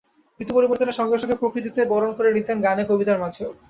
ঋতু পরিবর্তনের সঙ্গে সঙ্গে প্রকৃতিকে বরণ করে নিতেন গানে, কবিতার মাঝে।